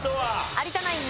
有田ナイン